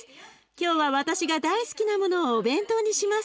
今日は私が大好きなものをお弁当にします。